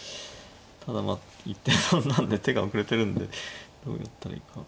ただまあ一手損なんで手が遅れてるんでどうやったらいいか。